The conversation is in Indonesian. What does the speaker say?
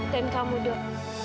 dan kamu duk